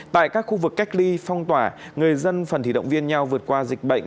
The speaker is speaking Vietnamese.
tại các khu vực cách ly phong tỏa người dân phần thủy động viên nhau vượt qua dịch bệnh